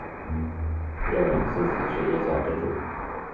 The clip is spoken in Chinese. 认为自己是一家之主